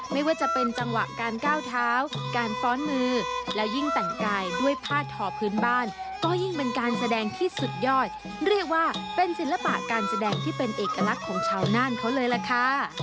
ไม่ว่าจะเป็นจังหวะการก้าวเท้าการฟ้อนมือแล้วยิ่งแต่งกายด้วยผ้าทอพื้นบ้านก็ยิ่งเป็นการแสดงที่สุดยอดเรียกว่าเป็นศิลปะการแสดงที่เป็นเอกลักษณ์ของชาวน่านเขาเลยล่ะค่ะ